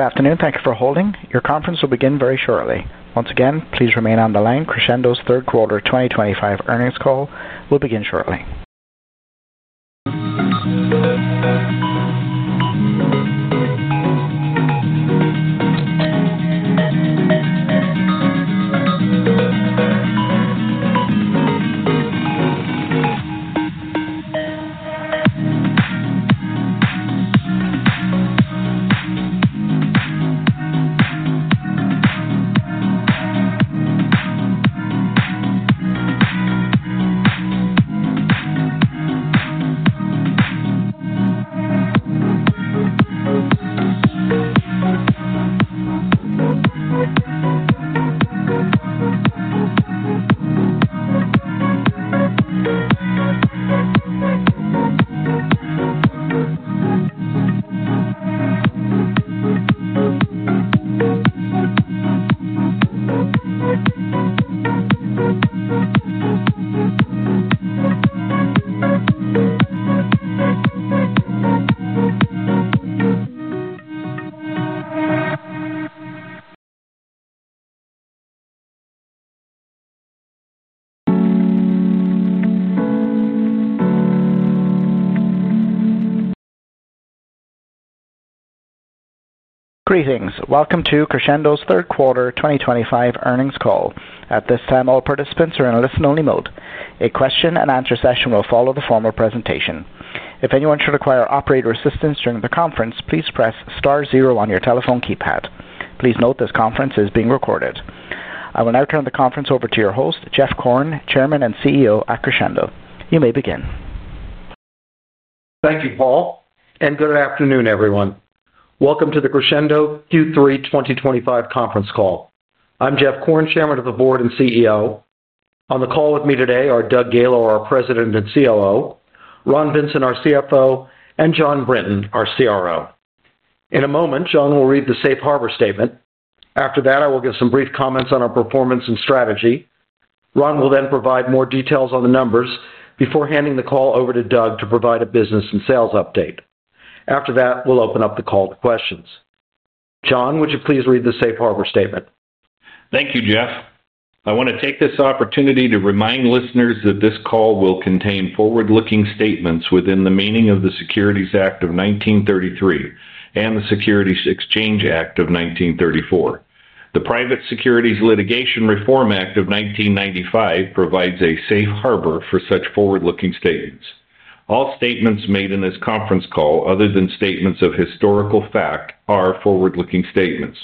Good afternoon. Thank you for holding. Your conference will begin very shortly. Once again, please remain on the line. Crexendo's third quarter 2025 earnings call will begin shortly. Greetings. Welcome to Crexendo's third quarter 2025 earnings call. At this time, all participants are in a listen-only mode. A question-and-answer session will follow the formal presentation. If anyone should require operator assistance during the conference, please press star zero on your telephone keypad. Please note this conference is being recorded. I will now turn the conference over to your host, Jeff Korn, Chairman and CEO at Crexendo. You may begin. Thank you, Paul, and good afternoon, everyone. Welcome to the Crexendo Q3 2025 conference call. I'm Jeff Korn, Chairman of the Board and CEO. On the call with me today are Doug Gaylor, our President and COO; Ron Vincent, our CFO; and Jon Brinton, our CRO. In a moment, Jon will read the Safe Harbor Statement. After that, I will give some brief comments on our performance and strategy. Ron will then provide more details on the numbers before handing the call over to Doug to provide a business and sales update. After that, we'll open up the call to questions. Jon, would you please read the Safe Harbor Statement? Thank you, Jeff. I want to take this opportunity to remind listeners that this call will contain forward-looking statements within the meaning of the Securities Act of 1933 and the Securities Exchange Act of 1934. The Private Securities Litigation Reform Act of 1995 provides a safe harbor for such forward-looking statements. All statements made in this conference call, other than statements of historical fact, are forward-looking statements.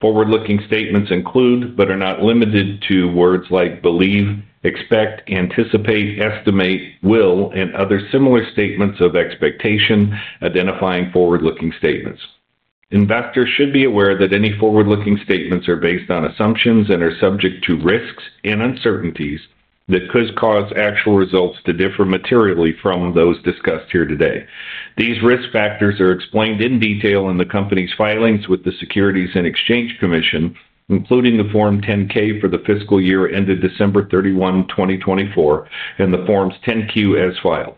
Forward-looking statements include, but are not limited to, words like believe, expect, anticipate, estimate, will, and other similar statements of expectation, identifying forward-looking statements. Investors should be aware that any forward-looking statements are based on assumptions and are subject to risks and uncertainties that could cause actual results to differ materially from those discussed here today. These risk factors are explained in detail in the company's filings with the Securities and Exchange Commission, including the Form 10-K for the fiscal year ended December 31, 2024, and the Forms 10-Q as filed.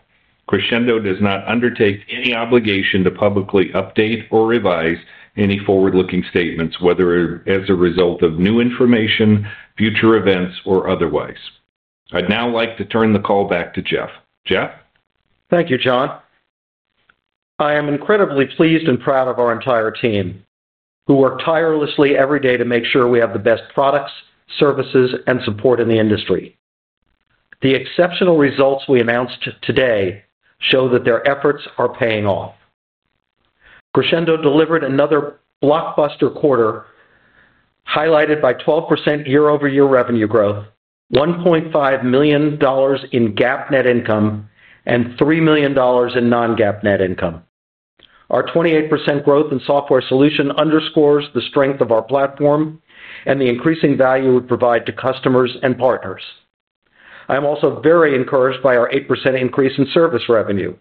Crexendo does not undertake any obligation to publicly update or revise any forward-looking statements, whether as a result of new information, future events, or otherwise. I'd now like to turn the call back to Jeff. Jeff? Thank you, Jon. I am incredibly pleased and proud of our entire team who work tirelessly every day to make sure we have the best products, services, and support in the industry. The exceptional results we announced today show that their efforts are paying off. Crexendo delivered another blockbuster quarter, highlighted by 12% year-over-year revenue growth, $1.5 million in GAAP net income, and $3 million in non-GAAP net income. Our 28% growth in software solutions underscores the strength of our platform and the increasing value we provide to customers and partners. I am also very encouraged by our 8% increase in service revenue,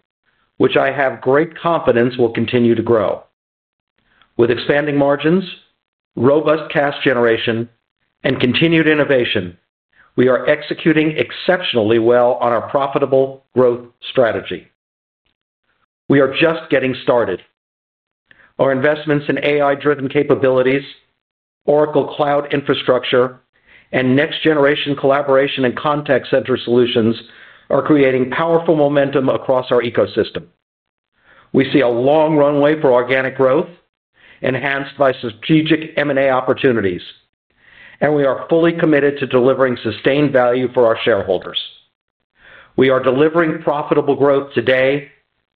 which I have great confidence will continue to grow. With expanding margins, robust cash generation, and continued innovation, we are executing exceptionally well on our profitable growth strategy. We are just getting started. Our investments in AI-driven capabilities, Oracle Cloud Infrastructure, and next-generation collaboration and contact center solutions are creating powerful momentum across our ecosystem. We see a long runway for organic growth, enhanced by strategic M&A opportunities, and we are fully committed to delivering sustained value for our shareholders. We are delivering profitable growth today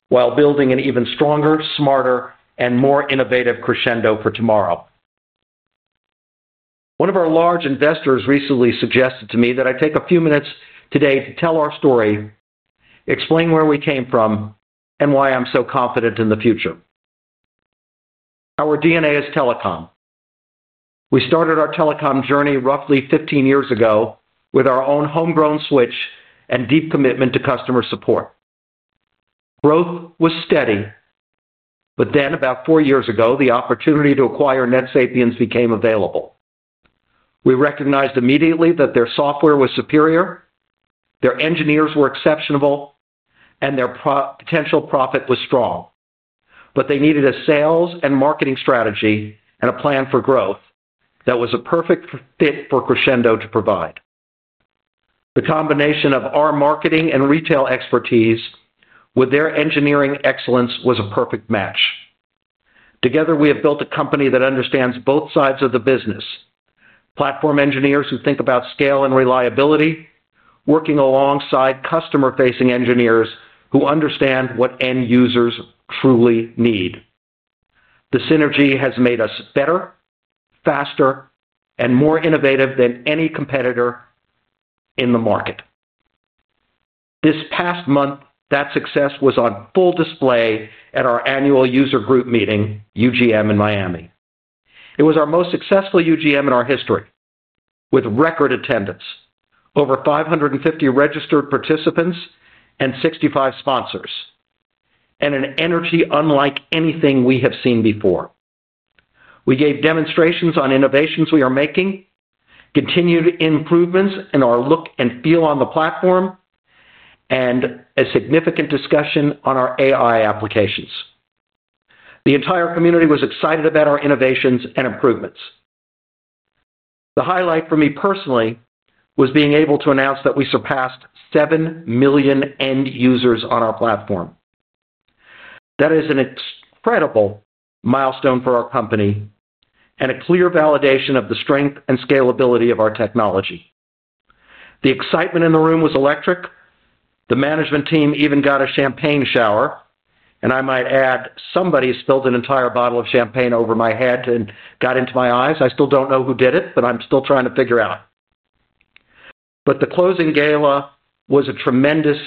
while building an even stronger, smarter, and more innovative Crexendo for tomorrow. One of our large investors recently suggested to me that I take a few minutes today to tell our story, explain where we came from, and why I'm so confident in the future. Our DNA is telecom. We started our telecom journey roughly 15 years ago with our own homegrown switch and deep commitment to customer support. Growth was steady, but then about four years ago, the opportunity to acquire NetSapiens became available. We recognized immediately that their software was superior, their engineers were exceptional, and their potential profit was strong. But they needed a sales and marketing strategy and a plan for growth that was a perfect fit for Crexendo to provide. The combination of our marketing and retail expertise with their engineering excellence was a perfect match. Together, we have built a company that understands both sides of the business. Platform engineers who think about scale and reliability, working alongside customer-facing engineers who understand what end users truly need. The synergy has made us better, faster, and more innovative than any competitor in the market. This past month, that success was on full display at our annual user group meeting, UGM in Miami. It was our most successful UGM in our history, with record attendance, over 550 registered participants, and 65 sponsors, and an energy unlike anything we have seen before. We gave demonstrations on innovations we are making, continued improvements in our look and feel on the platform, and a significant discussion on our AI applications. The entire community was excited about our innovations and improvements. The highlight for me personally was being able to announce that we surpassed 7 million end users on our platform. That is an incredible milestone for our company, and a clear validation of the strength and scalability of our technology. The excitement in the room was electric. The management team even got a champagne shower, and I might add, somebody spilled an entire bottle of champagne over my head and got into my eyes. I still don't know who did it, but I'm still trying to figure out. But the closing gala was a tremendous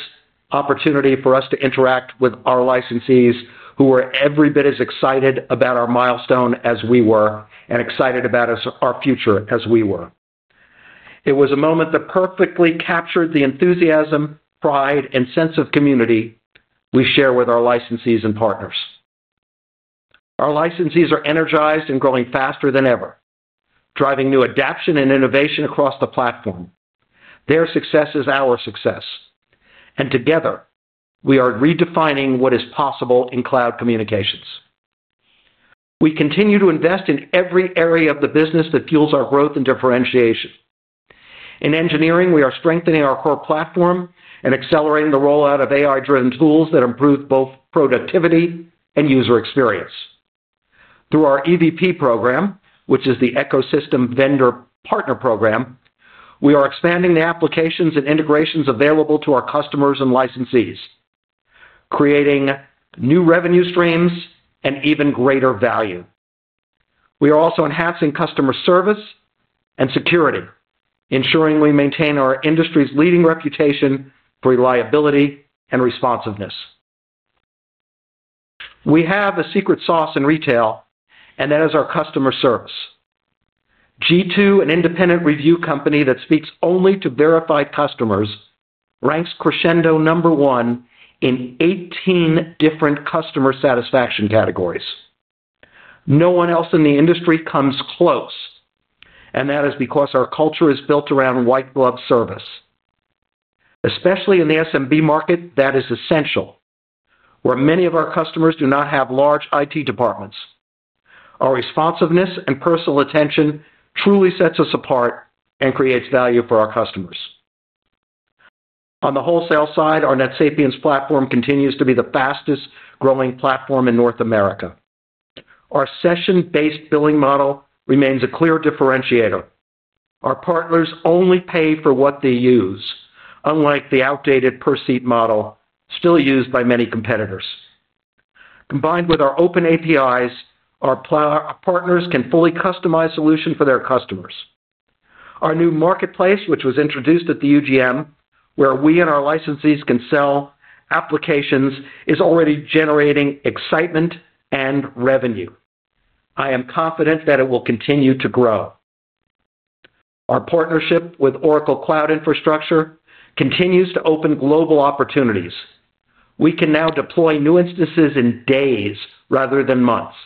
opportunity for us to interact with our licensees who were every bit as excited about our milestone as we were and excited about our future as we were. It was a moment that perfectly captured the enthusiasm, pride, and sense of community we share with our licensees and partners. Our licensees are energized and growing faster than ever, driving new adoption and innovation across the platform. Their success is our success. And together, we are redefining what is possible in cloud communications. We continue to invest in every area of the business that fuels our growth and differentiation. In engineering, we are strengthening our core platform and accelerating the rollout of AI-driven tools that improve both productivity and user experience. Through our EVP program, which is the Ecosystem Vendor Partner Program, we are expanding the applications and integrations available to our customers and licensees. Creating new revenue streams and even greater value. We are also enhancing customer service and security, ensuring we maintain our industry's leading reputation for reliability and responsiveness. We have a secret sauce in retail, and that is our customer service. G2, an independent review company that speaks only to verified customers, ranks Crexendo number one in 18 different customer satisfaction categories. No one else in the industry comes close, and that is because our culture is built around white-glove service. Especially in the SMB market, that is essential. Where many of our customers do not have large IT departments, our responsiveness and personal attention truly sets us apart and creates value for our customers. On the wholesale side, our NetSapiens platform continues to be the fastest-growing platform in North America. Our session-based billing model remains a clear differentiator. Our partners only pay for what they use, unlike the outdated per-seat model still used by many competitors. Combined with our open APIs, our partners can fully customize solutions for their customers. Our new marketplace, which was introduced at the UGM, where we and our licensees can sell applications, is already generating excitement and revenue. I am confident that it will continue to grow. Our partnership with Oracle Cloud Infrastructure continues to open global opportunities. We can now deploy new instances in days rather than months,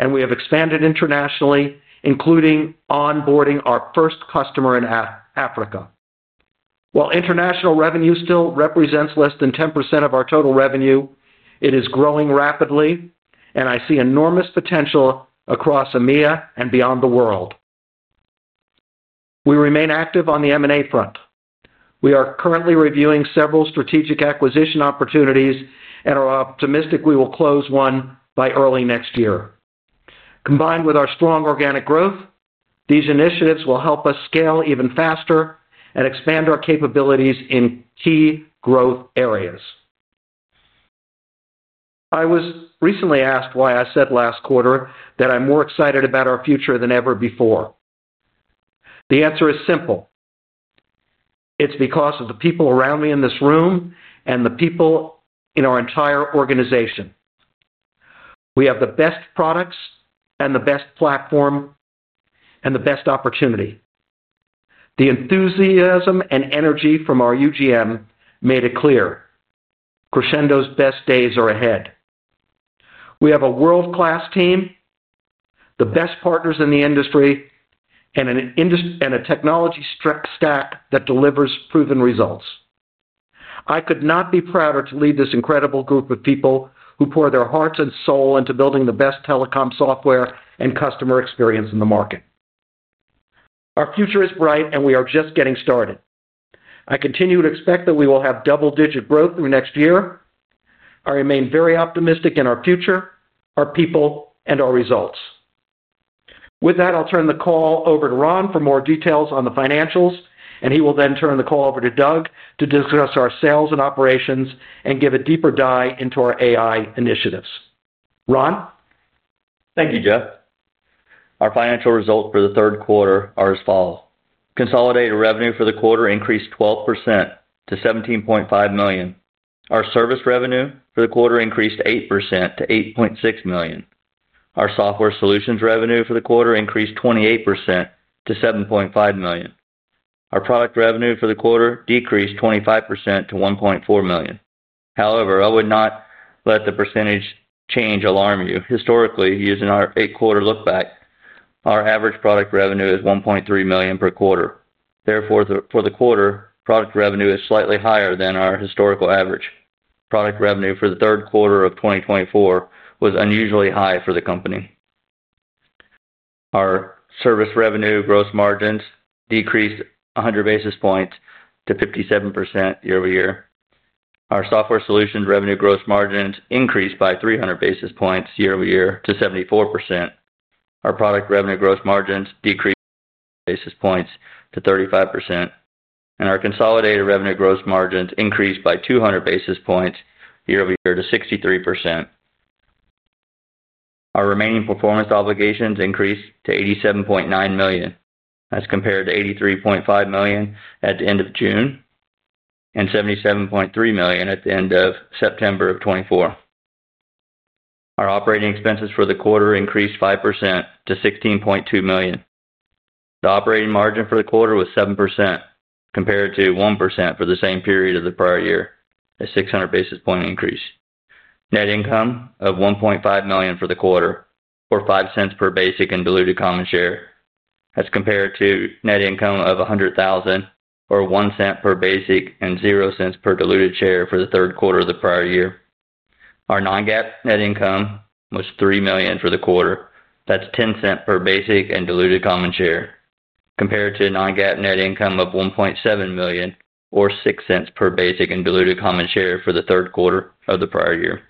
and we have expanded internationally, including onboarding our first customer in Africa. While international revenue still represents less than 10% of our total revenue, it is growing rapidly, and I see enormous potential across EMEA and beyond the world. We remain active on the M&A front. We are currently reviewing several strategic acquisition opportunities and are optimistic we will close one by early next year. Combined with our strong organic growth, these initiatives will help us scale even faster and expand our capabilities in key growth areas. I was recently asked why I said last quarter that I'm more excited about our future than ever before. The answer is simple. It's because of the people around me in this room and the people in our entire organization. We have the best products and the best platform. And the best opportunity. The enthusiasm and energy from our UGM made it clear. Crexendo's best days are ahead. We have a world-class team, the best partners in the industry, and a technology stack that delivers proven results. I could not be prouder to lead this incredible group of people who pour their hearts and soul into building the best telecom software and customer experience in the market. Our future is bright, and we are just getting started. I continue to expect that we will have double-digit growth through next year. I remain very optimistic in our future, our people, and our results. With that, I'll turn the call over to Ron for more details on the financials, and he will then turn the call over to Doug to discuss our sales and operations and give a deeper dive into our AI initiatives. Ron. Thank you, Jeff. Our financial results for the third quarter are as follows. Consolidated revenue for the quarter increased 12% to $17.5 million. Our service revenue for the quarter increased 8% to $8.6 million. Our software solutions revenue for the quarter increased 28% to $7.5 million. Our product revenue for the quarter decreased 25% to $1.4 million. However, I would not let the percentage change alarm you. Historically, using our eight-quarter lookback, our average product revenue is $1.3 million per quarter. Therefore, for the quarter, product revenue is slightly higher than our historical average. Product revenue for the third quarter of 2024 was unusually high for the company. Our service revenue gross margins decreased 100 basis points to 57% year-over-year. Our software solutions revenue gross margins increased by 300 basis points year-over-year to 74%. Our product revenue gross margins decreased by 300 basis points to 35%. And our consolidated revenue gross margins increased by 200 basis points year-over-year to 63%. Our remaining performance obligations increased to $87.9 million as compared to $83.5 million at the end of June. And $77.3 million at the end of September of 2024. Our operating expenses for the quarter increased 5% to $16.2 million. The operating margin for the quarter was 7% compared to 1% for the same period of the prior year, a 600 basis point increase. Net income of $1.5 million for the quarter, or $0.05 per basic and diluted common share, as compared to net income of $100,000, or $0.01 per basic and $0.00 per diluted share for the third quarter of the prior year. Our non-GAAP net income was $3 million for the quarter. That's $0.10 per basic and diluted common share, compared to non-GAAP net income of $1.7 million, or $0.06 per basic and diluted common share for the third quarter of the prior year.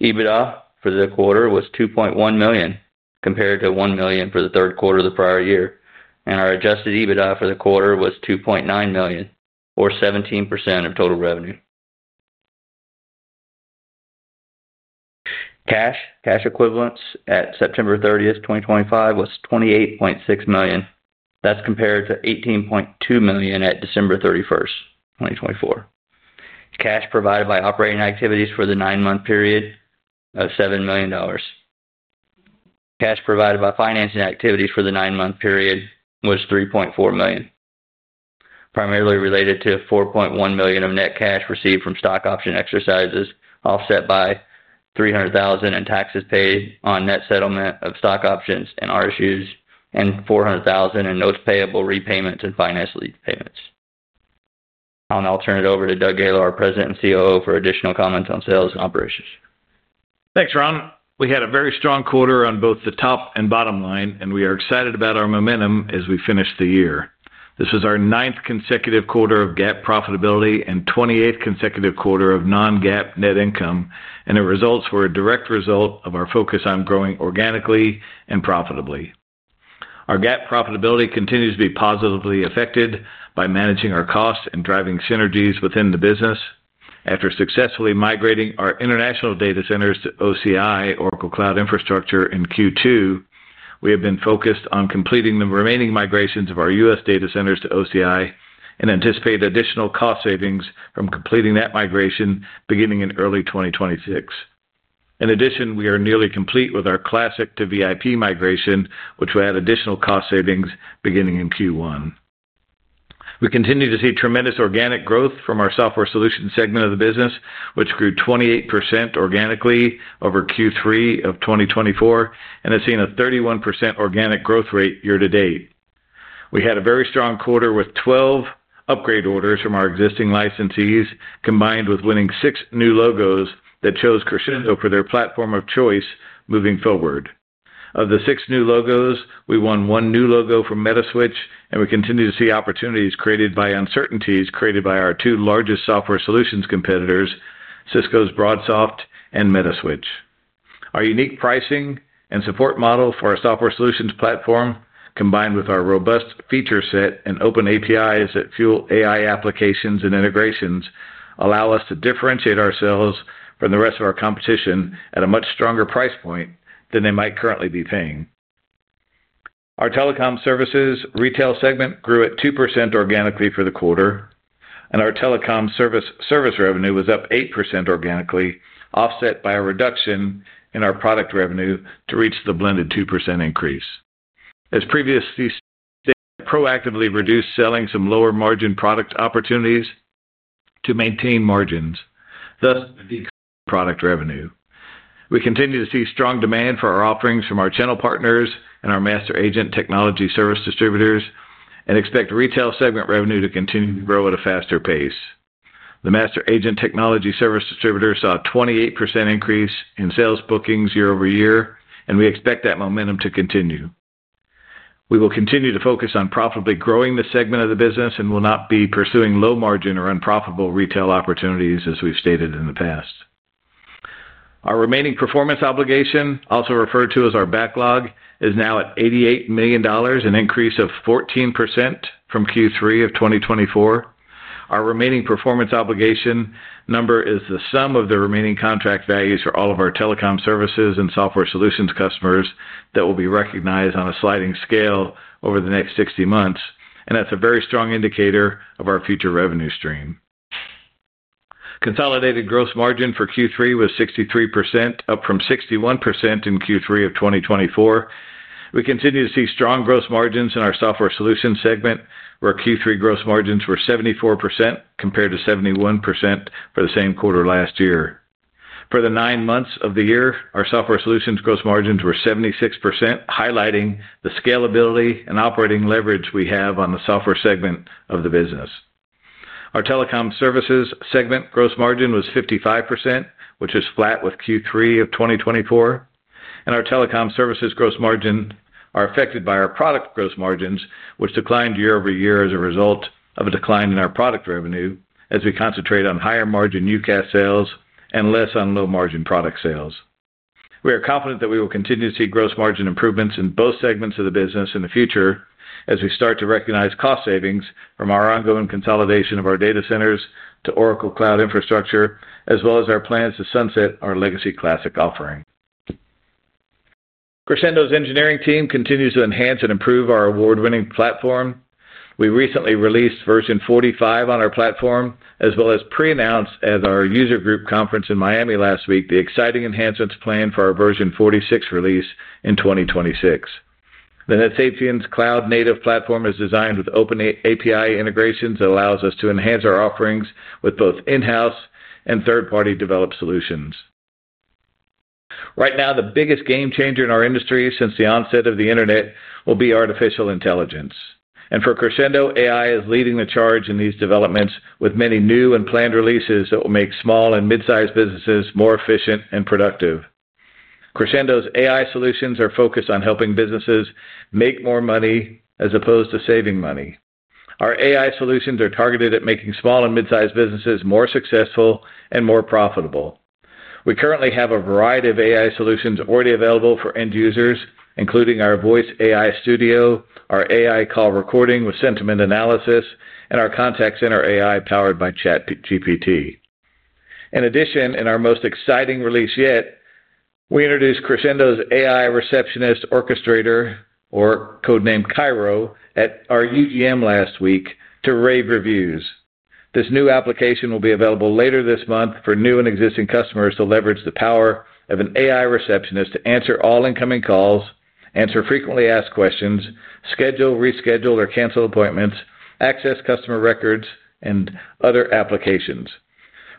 EBITDA for the quarter was $2.1 million compared to $1 million for the third quarter of the prior year. And our Adjusted EBITDA for the quarter was $2.9 million, or 17% of total revenue. Cash equivalents at September 30th, 2025, was $28.6 million. That's compared to $18.2 million at December 31st, 2024. Cash provided by operating activities for the nine-month period. Of $7 million. Cash provided by financing activities for the nine-month period was $3.4 million. Primarily related to $4.1 million of net cash received from stock option exercises, offset by $300,000 in taxes paid on net settlement of stock options and RSUs, and $400,000 in notes payable, repayments, and finance lease payments. I'll now turn it over to Doug Gaylor, our President and COO, for additional comments on sales and operations. Thanks, Ron. We had a very strong quarter on both the top and bottom line, and we are excited about our momentum as we finish the year. This was our ninth consecutive quarter of GAAP profitability and 28th consecutive quarter of non-GAAP net income. And the results were a direct result of our focus on growing organically and profitably. Our GAAP profitability continues to be positively affected by managing our costs and driving synergies within the business. After successfully migrating our international data centers to OCI Oracle Cloud Infrastructure in Q2, we have been focused on completing the remaining migrations of our U.S. data centers to OCI and anticipate additional cost savings from completing that migration beginning in early 2026. In addition, we are nearly complete with our classic to VIP migration, which will add additional cost savings beginning in Q1. We continue to see tremendous organic growth from our software solution segment of the business, which grew 28% organically over Q3 of 2024 and has seen a 31% organic growth rate year-to-date. We had a very strong quarter with 12 upgrade orders from our existing licensees, combined with winning six new logos that chose Crexendo for their platform of choice moving forward. Of the six new logos, we won one new logo for Metaswitch, and we continue to see opportunities created by uncertainties created by our two largest software solutions competitors, Cisco's BroadSoft and Metaswitch. Our unique pricing and support model for our software solutions platform, combined with our robust feature set and open APIs that fuel AI applications and integrations, allow us to differentiate ourselves from the rest of our competition at a much stronger price point than they might currently be paying. Our telecom services retail segment grew at 2% organically for the quarter, and our telecom service revenue was up 8% organically, offset by a reduction in our product revenue to reach the blended 2% increase. As previously stated, we proactively reduced selling some lower margin product opportunities to maintain margins, thus decreasing product revenue. We continue to see strong demand for our offerings from our channel partners and our master agent technology service distributors and expect retail segment revenue to continue to grow at a faster pace. The master agent technology service distributor saw a 28% increase in sales bookings year-over-year, and we expect that momentum to continue. We will continue to focus on profitably growing the segment of the business and will not be pursuing low margin or unprofitable retail opportunities as we've stated in the past. Our remaining performance obligation, also referred to as our backlog, is now at $88 million, an increase of 14% from Q3 of 2024. Our remaining performance obligation number is the sum of the remaining contract values for all of our telecom services and software solutions customers that will be recognized on a sliding scale over the next 60 months. And that's a very strong indicator of our future revenue stream. Consolidated gross margin for Q3 was 63%, up from 61% in Q3 of 2024. We continue to see strong gross margins in our software solutions segment, where Q3 gross margins were 74% compared to 71% for the same quarter last year. For the nine months of the year, our software solutions gross margins were 76%, highlighting the scalability and operating leverage we have on the software segment of the business. Our telecom services segment gross margin was 55%, which is flat with Q3 of 2024. And our telecom services gross margins are affected by our product gross margins, which declined year-over-year as a result of a decline in our product revenue as we concentrate on higher margin UCaaS sales and less on low margin product sales. We are confident that we will continue to see gross margin improvements in both segments of the business in the future as we start to recognize cost savings from our ongoing consolidation of our data centers to Oracle Cloud Infrastructure, as well as our plans to sunset our legacy classic offering. Crexendo's engineering team continues to enhance and improve our award-winning platform. We recently released Version 45 on our platform, as well as pre-announced at our user group conference in Miami last week the exciting enhancements planned for our Version 46 release in 2026. The NetSapiens' cloud-native platform is designed with open API integrations that allows us to enhance our offerings with both in-house and third-party developed solutions. Right now, the biggest game changer in our industry since the onset of the internet will be artificial intelligence. And for Crexendo, AI is leading the charge in these developments with many new and planned releases that will make small and mid-sized businesses more efficient and productive. Crexendo's AI solutions are focused on helping businesses make more money as opposed to saving money. Our AI solutions are targeted at making small and mid-sized businesses more successful and more profitable. We currently have a variety of AI solutions already available for end users, including our Voice AI Studio, our AI Call Recording with Sentiment Analysis, and our Contact Center AI powered by ChatGPT. In addition, in our most exciting release yet, we introduced Crexendo's AI Receptionist Orchestrator, or code-named Kairo, at our UGM last week to rave reviews. This new application will be available later this month for new and existing customers to leverage the power of an AI receptionist to answer all incoming calls, answer frequently asked questions, schedule, reschedule, or cancel appointments, access customer records, and other applications.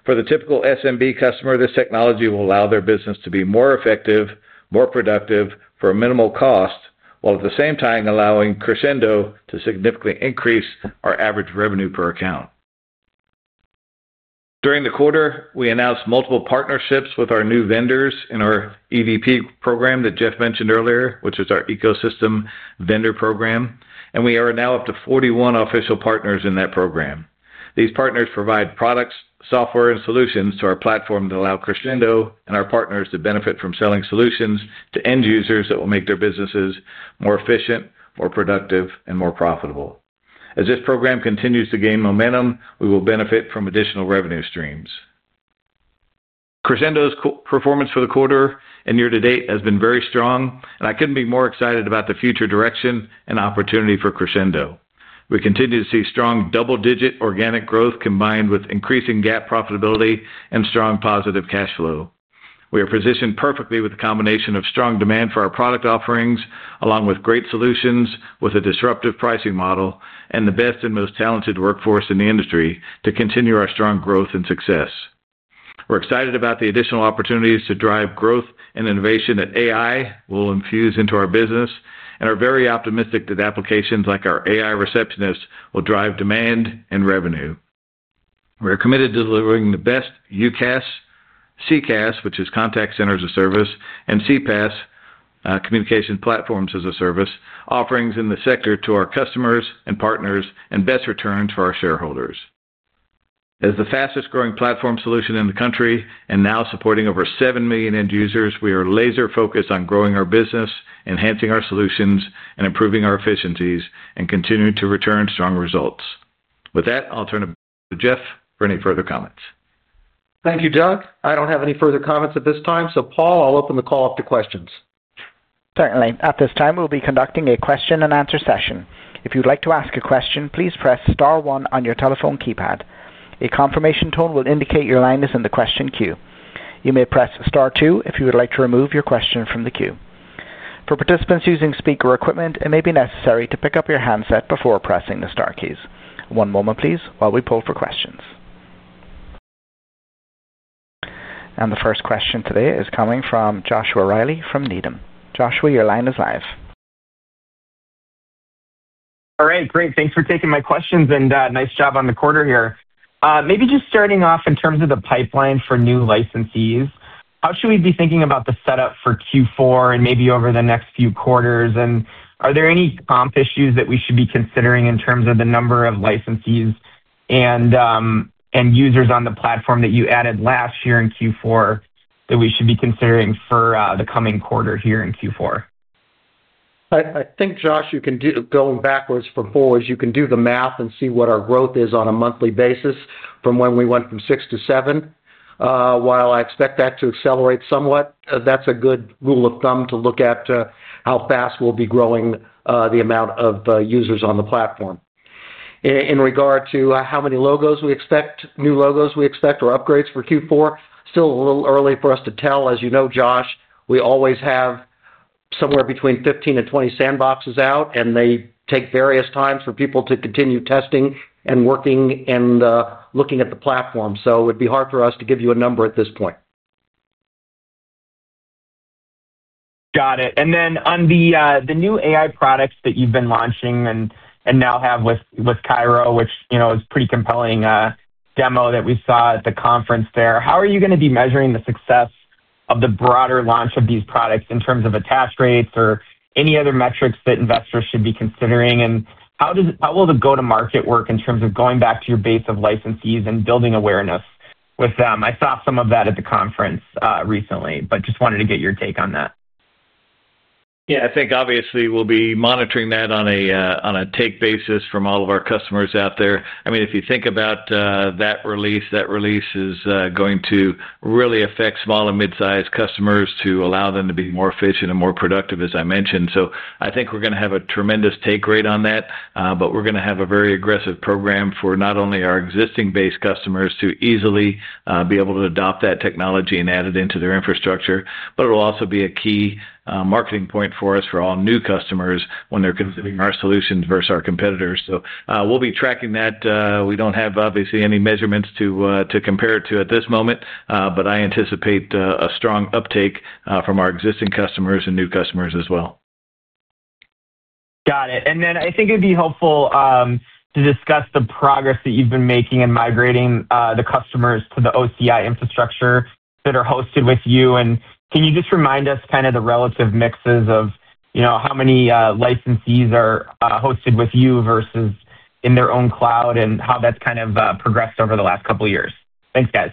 For the typical SMB customer, this technology will allow their business to be more effective, more productive for minimal cost, while at the same time allowing Crexendo to significantly increase our average revenue per account. During the quarter, we announced multiple partnerships with our new vendors in our EVP program that Jeff mentioned earlier, which is our Ecosystem Vendor Partner Program. And we are now up to 41 official partners in that program. These partners provide products, software, and solutions to our platform that allow Crexendo and our partners to benefit from selling solutions to end users that will make their businesses more efficient, more productive, and more profitable. As this program continues to gain momentum, we will benefit from additional revenue streams. Crexendo's performance for the quarter and year-to-date has been very strong, and I couldn't be more excited about the future direction and opportunity for Crexendo. We continue to see strong double-digit organic growth combined with increasing GAAP profitability and strong positive cash flow. We are positioned perfectly with a combination of strong demand for our product offerings, along with great solutions with a disruptive pricing model, and the best and most talented workforce in the industry to continue our strong growth and success. We're excited about the additional opportunities to drive growth and innovation that AI will infuse into our business, and are very optimistic that applications like our AI receptionists will drive demand and revenue. We are committed to delivering the best UCaaS, CCaaS, which is contact centers of service, and CPaaS, communication platforms as a service, offerings in the sector to our customers and partners, and best returns for our shareholders. As the fastest-growing platform solution in the country and now supporting over 7 million end users, we are laser-focused on growing our business, enhancing our solutions, and improving our efficiencies, and continuing to return strong results. With that, I'll turn it over to Jeff for any further comments. Thank you, Doug. I don't have any further comments at this time. So, Paul, I'll open the call up to questions. Certainly. At this time, we'll be conducting a question-and-answer session. If you'd like to ask a question, please press star one on your telephone keypad. A confirmation tone will indicate your line is in the question queue. You may press star two if you would like to remove your question from the queue. For participants using speaker equipment, it may be necessary to pick up your handset before pressing the star keys. One moment, please, while we pull for questions. And the first question today is coming from Joshua Riley from Needham. Joshua, your line is live. All right. Great. Thanks for taking my questions, and nice job on the quarter here. Maybe just starting off in terms of the pipeline for new licensees, how should we be thinking about the setup for Q4 and maybe over the next few quarters? And are there any comp issues that we should be considering in terms of the number of licensees and users on the platform that you added last year in Q4 that we should be considering for the coming quarter here in Q4? I think, Josh, you can do going backwards for Q4's, you can do the math and see what our growth is on a monthly basis from when we went from six to seven. While I expect that to accelerate somewhat, that's a good rule of thumb to look at how fast we'll be growing the amount of users on the platform. In regard to how many logos we expect, new logos we expect, or upgrades for Q4, still a little early for us to tell. As you know, Josh, we always have somewhere between 15 and 20 sandboxes out, and they take various times for people to continue testing and working and looking at the platform. So it'd be hard for us to give you a number at this point. Got it. And then on the new AI products that you've been launching and now have with Kairo, which is a pretty compelling demo that we saw at the conference there, how are you going to be measuring the success of the broader launch of these products in terms of attach rates or any other metrics that investors should be considering? And how will the go-to-market work in terms of going back to your base of licensees and building awareness with them? I saw some of that at the conference recently, but just wanted to get your take on that. Yeah. I think, obviously, we'll be monitoring that on a take basis from all of our customers out there. I mean, if you think about that release, that release is going to really affect small and mid-sized customers to allow them to be more efficient and more productive, as I mentioned. So I think we're going to have a tremendous take rate on that, but we're going to have a very aggressive program for not only our existing base customers to easily be able to adopt that technology and add it into their infrastructure, but it'll also be a key marketing point for us for all new customers when they're considering our solutions versus our competitors. So we'll be tracking that. We don't have, obviously, any measurements to compare it to at this moment, but I anticipate a strong uptake from our existing customers and new customers as well. Got it, and then I think it'd be helpful to discuss the progress that you've been making in migrating the customers to the OCI infrastructure that are hosted with you, and can you just remind us kind of the relative mixes of how many licensees are hosted with you versus in their own cloud and how that's kind of progressed over the last couple of years? Thanks, guys.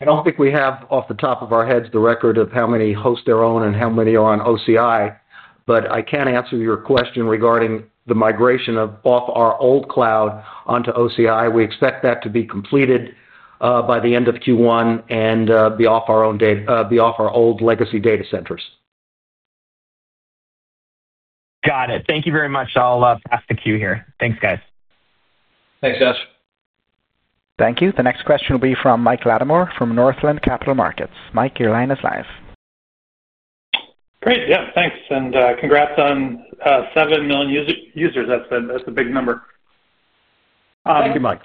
I don't think we have, off the top of our heads, the record of how many host their own and how many are on OCI, but I can answer your question regarding the migration off our old cloud onto OCI. We expect that to be completed by the end of Q1 and be off our old legacy data centers. Got it. Thank you very much. I'll pass the queue here. Thanks, guys. Thanks, Josh. Thank you. The next question will be from Mike Latimore from Northland Capital Markets. Mike, your line is live. Great. Yeah. Thanks. And congrats on 7 million users. That's a big number. Thank you, Mike.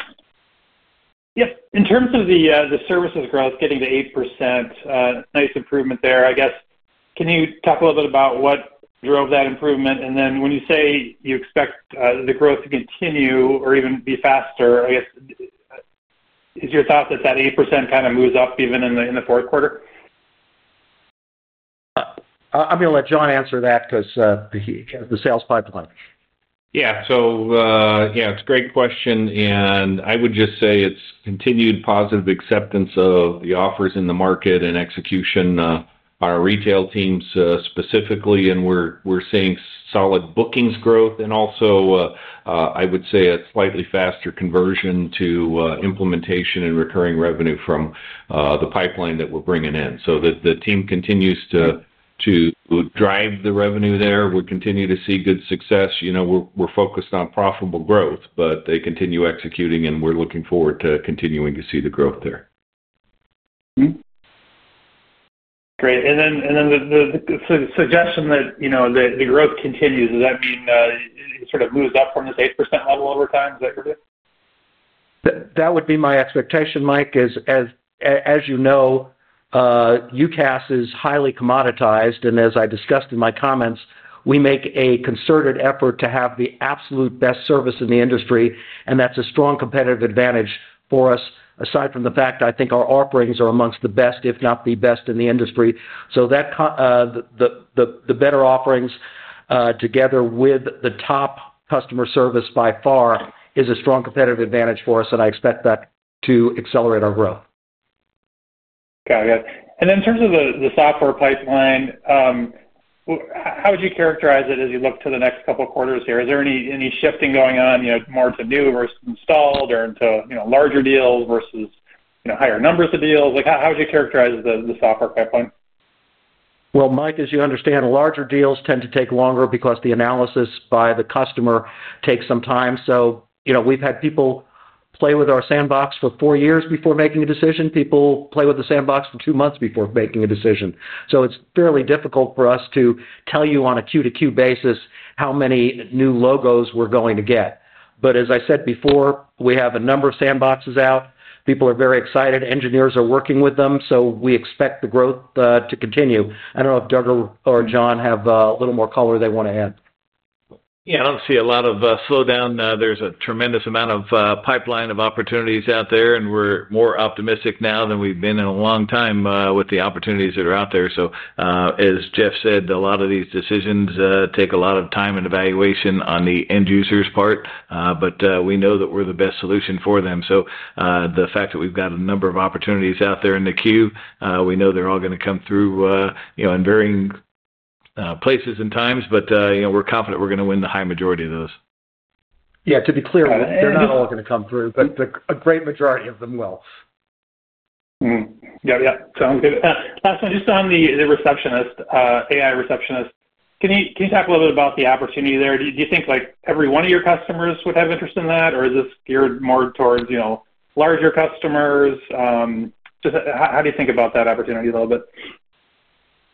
Yes. In terms of the services growth, getting to 8%, nice improvement there. I guess, can you talk a little bit about what drove that improvement? And then when you say you expect the growth to continue or even be faster, I guess. Is your thought that that 8% kind of moves up even in the fourth quarter? I'm going to let Jon answer that because he has the sales pipeline. Yeah. So yeah, it's a great question. And I would just say it's continued positive acceptance of the offers in the market and execution on our retail teams specifically. And we're seeing solid bookings growth. And also, I would say a slightly faster conversion to implementation and recurring revenue from the pipeline that we're bringing in. So the team continues to drive the revenue there. We continue to see good success. We're focused on profitable growth, but they continue executing, and we're looking forward to continuing to see the growth there. Great, and then the suggestion that the growth continues, does that mean it sort of moves up from this 8% level over time? Is that your view? That would be my expectation, Mike. As you know, UCaaS is highly commoditized. And as I discussed in my comments, we make a concerted effort to have the absolute best service in the industry, and that's a strong competitive advantage for us, aside from the fact I think our offerings are amongst the best, if not the best, in the industry. So, the better offerings together with the top customer service by far is a strong competitive advantage for us, and I expect that to accelerate our growth. Got it and in terms of the software pipeline. How would you characterize it as you look to the next couple of quarters here? Is there any shifting going on more to new versus installed or into larger deals versus higher numbers of deals? How would you characterize the software pipeline? Mike, as you understand, larger deals tend to take longer because the analysis by the customer takes some time. So we've had people play with our sandbox for four years before making a decision. People play with the sandbox for two months before making a decision. So it's fairly difficult for us to tell you on a Q-to-Q basis how many new logos we're going to get. But as I said before, we have a number of sandboxes out. People are very excited. Engineers are working with them. So we expect the growth to continue. I don't know if Doug or Jon have a little more color they want to add. Yeah. I don't see a lot of slowdown. There's a tremendous amount of pipeline of opportunities out there, and we're more optimistic now than we've been in a long time with the opportunities that are out there. So as Jeff said, a lot of these decisions take a lot of time and evaluation on the end user's part, but we know that we're the best solution for them. So the fact that we've got a number of opportunities out there in the queue, we know they're all going to come through in varying places and times, but we're confident we're going to win the high majority of those. Yeah. To be clear, they're not all going to come through, but a great majority of them will. Yeah. Yeah. Sounds good. Last one, just on the receptionist, AI receptionist. Can you talk a little bit about the opportunity there? Do you think every one of your customers would have interest in that, or is this geared more towards larger customers? How do you think about that opportunity a little bit?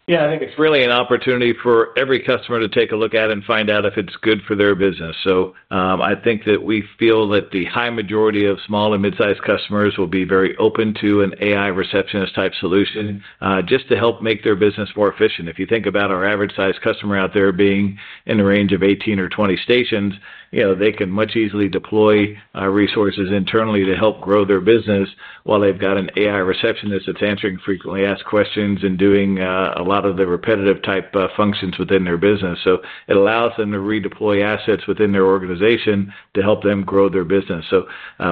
Yeah. I think it's really an opportunity for every customer to take a look at and find out if it's good for their business. So I think that we feel that the high majority of small and mid-sized customers will be very open to an AI receptionist type solution just to help make their business more efficient. If you think about our average-sized customer out there being in the range of 18-20 stations, they can much easily deploy resources internally to help grow their business while they've got an AI receptionist that's answering frequently asked questions and doing a lot of the repetitive type functions within their business. So it allows them to redeploy assets within their organization to help them grow their business. So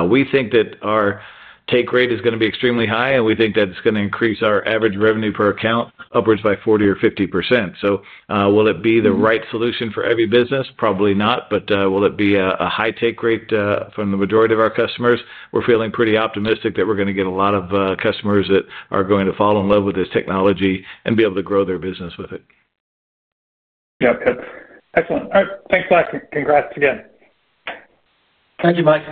we think that our take rate is going to be extremely high, and we think that it's going to increase our average revenue per account upwards by 40% or 50%. So will it be the right solution for every business? Probably not, but will it be a high take rate from the majority of our customers? We're feeling pretty optimistic that we're going to get a lot of customers that are going to fall in love with this technology and be able to grow their business with it. Yep. Yep. Excellent. All right. Thanks, Jeff. And congrats again. Thank you, Mike.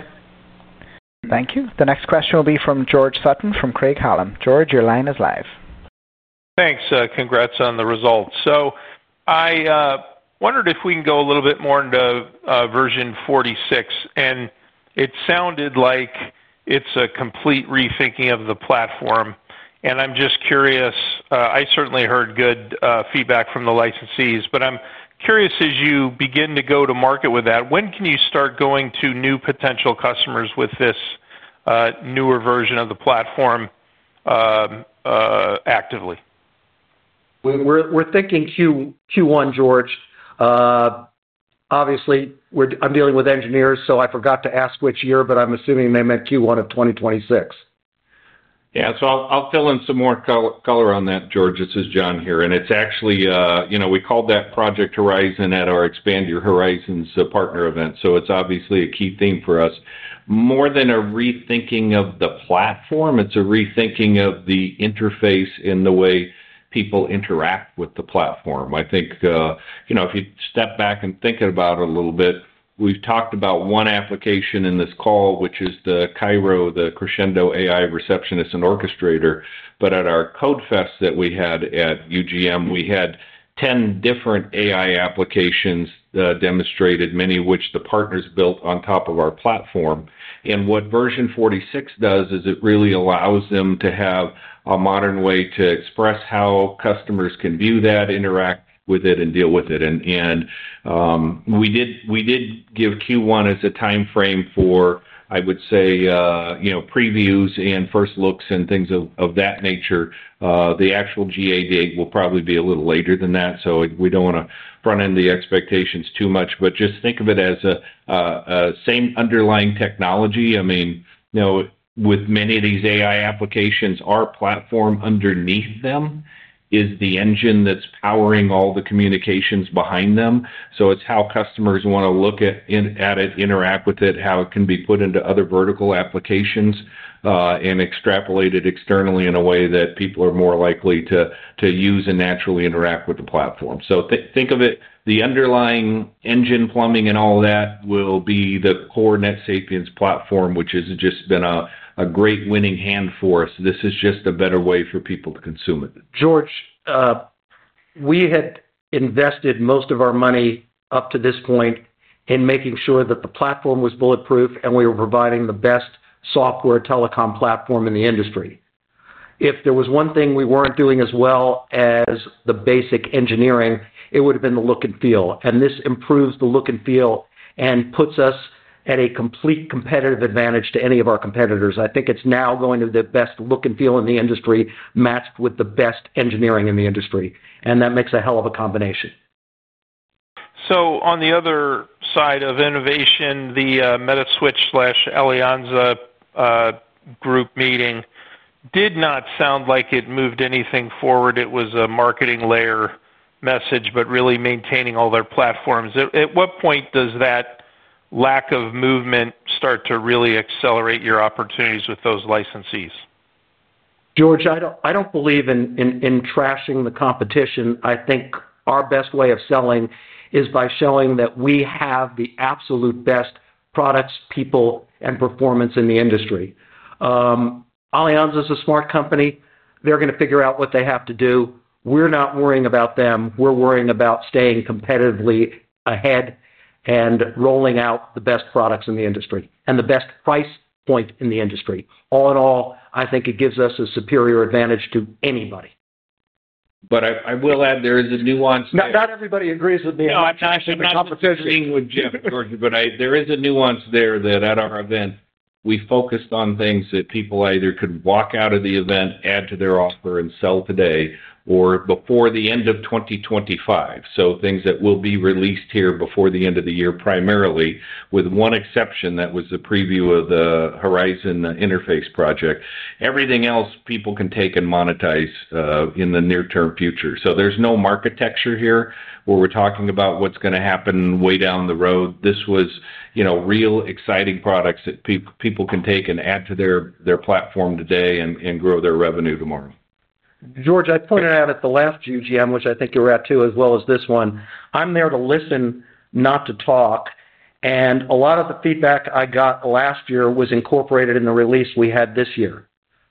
Thank you. The next question will be from George Sutton from Craig-Hallum. George, your line is live. Thanks. Congrats on the results. So I wondered if we can go a little bit more into Version 46. And it sounded like it's a complete rethinking of the platform. And I'm just curious. I certainly heard good feedback from the licensees, but I'm curious, as you begin to go to market with that, when can you start going to new potential customers with this. Newer version of the platform. Actively? We're thinking Q1, George. Obviously, I'm dealing with engineers, so I forgot to ask which year, but I'm assuming they meant Q1 of 2026. Yeah. So I'll fill in some more color on that, George. This is Jon here. And it's actually we called that Project Horizon at our Expand Your Horizons partner event. So it's obviously a key theme for us. More than a rethinking of the platform, it's a rethinking of the interface in the way people interact with the platform. I think if you step back and think about it a little bit, we've talked about one application in this call, which is the Kairo, the Crexendo AI receptionist and orchestrator. But at our Codefest that we had at UGM, we had 10 different AI applications demonstrated, many of which the partners built on top of our platform. And what version 46 does is it really allows them to have a modern way to express how customers can view that, interact with it, and deal with it. And we did give Q1 as a time frame for, I would say, previews and first looks and things of that nature. The actual GA date will probably be a little later than that. So we don't want to front-end the expectations too much, but just think of it as the same underlying technology. I mean with many of these AI applications, our platform underneath them is the engine that's powering all the communications behind them. So it's how customers want to look at it, interact with it, how it can be put into other vertical applications. And extrapolate it externally in a way that people are more likely to use and naturally interact with the platform. So think of it, the underlying engine plumbing and all that will be the core NetSapiens platform, which has just been a great winning hand for us. This is just a better way for people to consume it. George, we had invested most of our money up to this point in making sure that the platform was bulletproof, and we were providing the best software telecom platform in the industry. If there was one thing we weren't doing as well as the basic engineering, it would have been the look and feel. And this improves the look and feel and puts us at a complete competitive advantage to any of our competitors. I think it's now going to the best look and feel in the industry matched with the best engineering in the industry. And that makes a hell of a combination. So on the other side of innovation, the Metaswitch/Elecnor Deimos Group meeting did not sound like it moved anything forward. It was a marketing layer message, but really maintaining all their platforms. At what point does that lack of movement start to really accelerate your opportunities with those licensees? George, I don't believe in trashing the competition. I think our best way of selling is by showing that we have the absolute best products, people, and performance in the industry. Elecnor is a smart company. They're going to figure out what they have to do. We're not worrying about them. We're worrying about staying competitively ahead and rolling out the best products in the industry and the best price point in the industry. All in all, I think it gives us a superior advantage to anybody. But I will add there is a nuance. Not everybody agrees with me. No, I'm not actually competing with Jeff, George, but there is a nuance there that at our event, we focused on things that people either could walk out of the event, add to their offer, and sell today or before the end of 2025. So things that will be released here before the end of the year, primarily with one exception that was the preview of the Horizon Interface project. Everything else, people can take and monetize in the near-term future. So there's no market texture here where we're talking about what's going to happen way down the road. This was real exciting products that people can take and add to their platform today and grow their revenue tomorrow. George, I pointed out at the last UGM, which I think you were at too, as well as this one, I'm there to listen, not to talk, and a lot of the feedback I got last year was incorporated in the release we had this year.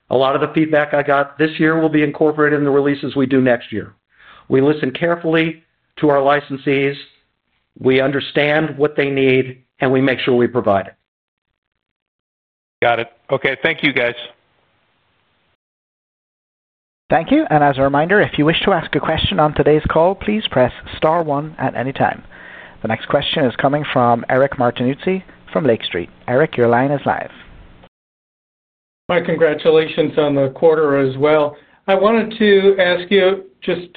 A lot of the feedback I got this year will be incorporated in the releases we do next year. We listen carefully to our licensees. We understand what they need, and we make sure we provide it. Got it. Okay. Thank you, guys. Thank you. And as a reminder, if you wish to ask a question on today's call, please press star one at any time. The next question is coming from Eric Martinuzzi from Lake Street. Eric, your line is live. Jeff, congratulations on the quarter as well. I wanted to ask you just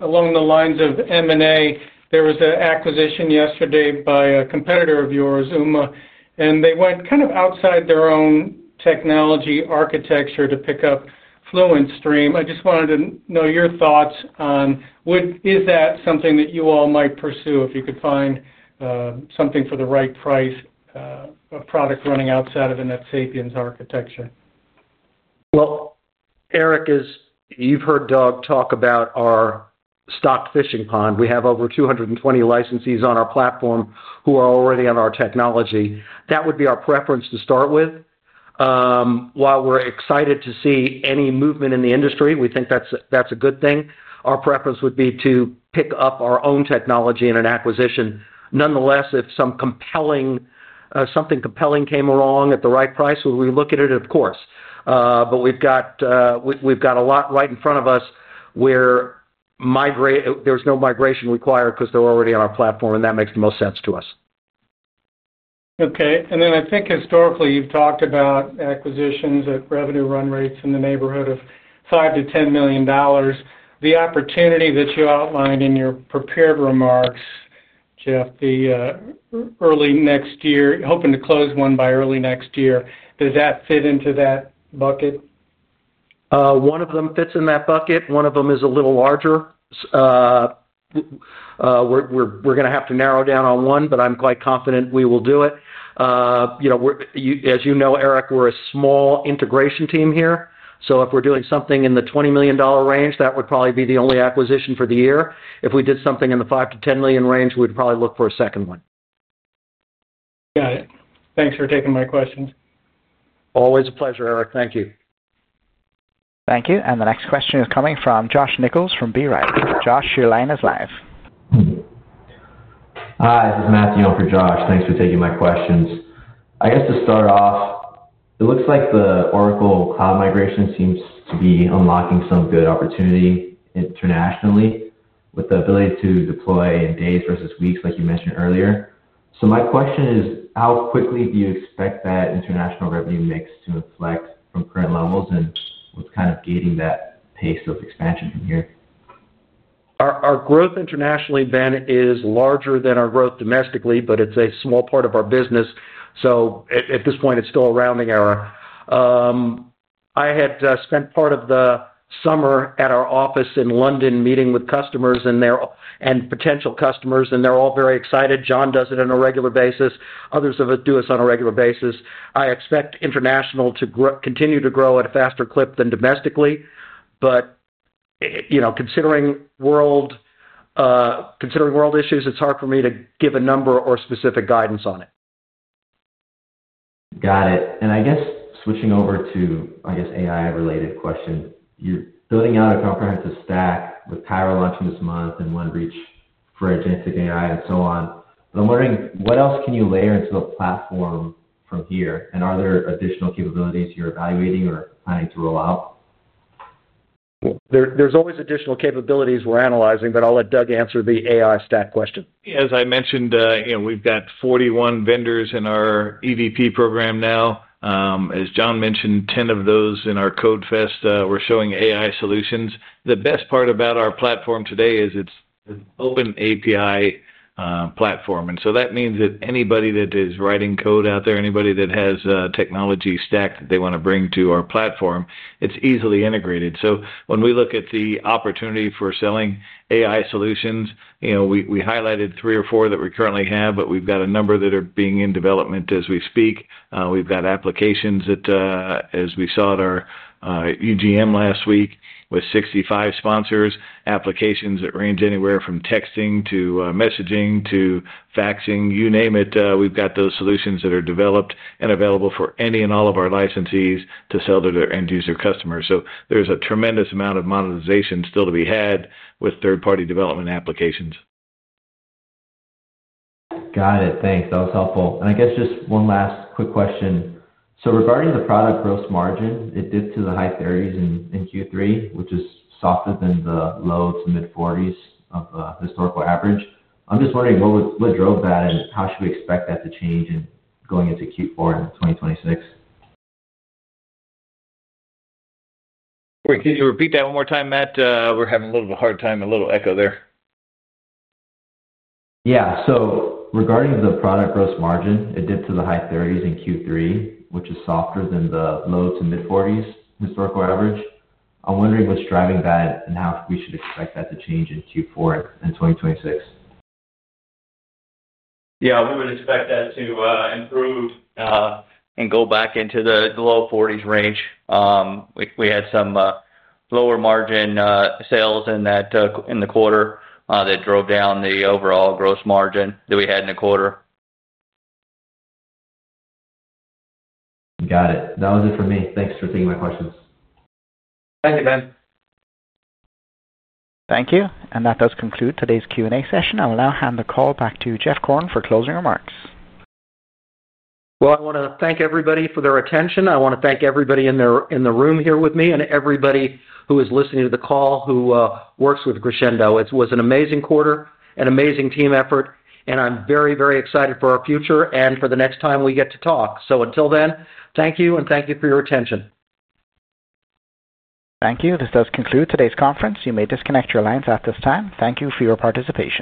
along the lines of M&A. There was an acquisition yesterday by a competitor of yours, 8x8, and they went kind of outside their own technology architecture to pick up FluentStream. I just wanted to know your thoughts on. Is that something that you all might pursue if you could find something for the right price. A product running outside of the NetSapiens architecture? Well, Eric, you've heard Doug talk about our stock fishing pond. We have over 220 licensees on our platform who are already on our technology. That would be our preference to start with. While we're excited to see any movement in the industry, we think that's a good thing. Our preference would be to pick up our own technology in an acquisition. Nonetheless, if something compelling came along at the right price, we would look at it, of course. But we've got a lot right in front of us where there's no migration required because they're already on our platform, and that makes the most sense to us. Okay. And then I think historically, you've talked about acquisitions at revenue run rates in the neighborhood of $5-$10 million. The opportunity that you outlined in your prepared remarks, Jeff, early next year, hoping to close one by early next year, does that fit into that bucket? One of them fits in that bucket. One of them is a little larger. We're going to have to narrow down on one, but I'm quite confident we will do it. As you know, Eric, we're a small integration team here. So if we're doing something in the $20 million range, that would probably be the only acquisition for the year. If we did something in the $5 million-$10 million range, we would probably look for a second one. Got it. Thanks for taking my questions. Always a pleasure, Eric. Thank you. Thank you. And the next question is coming from Josh Nichols from B. Riley. Josh, your line is live. Hi, this is Matthew for Josh. Thanks for taking my questions. I guess to start off. It looks like the Oracle Cloud migration seems to be unlocking some good opportunity. Internationally with the ability to deploy in days versus weeks, like you mentioned earlier. So my question is, how quickly do you expect that international revenue mix to inflect from current levels? And what's kind of gating that pace of expansion from here? Our growth internationally then is larger than our growth domestically, but it's a small part of our business. So at this point, it's still a rounding error. I had spent part of the summer at our office in London meeting with customers and potential customers, and they're all very excited. Jon does it on a regular basis. Others of us do it on a regular basis. I expect international to continue to grow at a faster clip than domestically, but considering world issues, it's hard for me to give a number or specific guidance on it. Got it. And I guess switching over to, I guess, AI-related questions, you're building out a comprehensive stack with Kairo launching this month and OneReach for agentic AI and so on. But I'm wondering, what else can you layer into the platform from here? And are there additional capabilities you're evaluating or planning to roll out? There's always additional capabilities we're analyzing, but I'll let Doug answer the AI stack question. As I mentioned, we've got 41 vendors in our EVP program now. As Jon mentioned, 10 of those in our Codefest were showing AI solutions. The best part about our platform today is it's an open API platform. And so that means that anybody that is writing code out there, anybody that has a technology stack that they want to bring to our platform, it's easily integrated. So when we look at the opportunity for selling AI solutions, we highlighted three or four that we currently have, but we've got a number that are being in development as we speak. We've got applications that, as we saw at our UGM last week, with 65 sponsors, applications that range anywhere from texting to messaging to faxing, you name it. We've got those solutions that are developed and available for any and all of our licensees to sell to their end-user customers. So there's a tremendous amount of monetization still to be had with third-party development applications. Got it. Thanks. That was helpful, and I guess just one last quick question, so regarding the product gross margin, it dipped to the high 30s in Q3, which is softer than the low-to-mid-40s of the historical average. I'm just wondering, what drove that, and how should we expect that to change going into Q4 in 2026? Can you repeat that one more time, Matt? We're having a little hard time, a little echo there. Yeah. So regarding the product gross margin, it dipped to the high 30s in Q3, which is softer than the low- to mid-40s historical average. I'm wondering what's driving that and how we should expect that to change in Q4 in 2026. Yeah. We would expect that to improve. And go back into the low 40s range. We had some lower margin sales in the quarter that drove down the overall gross margin that we had in the quarter. Got it. That was it for me. Thanks for taking my questions. Thank you, Matt. Thank you. And that does conclude today's Q&A session. I will now hand the call back to Jeff Korn for closing remarks. I want to thank everybody for their attention. I want to thank everybody in the room here with me and everybody who is listening to the call who works with Crexendo. It was an amazing quarter, an amazing team effort, and I'm very, very excited for our future and for the next time we get to talk. Until then, thank you, and thank you for your attention. Thank you. This does conclude today's conference. You may disconnect your lines at this time. Thank you for your participation.